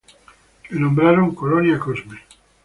La nombraron Colonia Cosme.